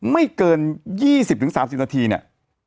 ไม่เกิน๒๐๓๐นาทีเนี่ย